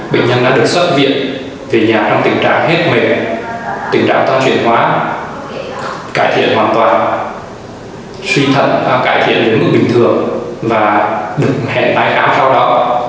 bệnh nhân đã được xuất viện về nhà trong tình trạng hết mệ tình trạng toàn chuyển hoá cải thiện hoàn toàn suy thận cải thiện đến mức bình thường và được hẹn đai khám sau đó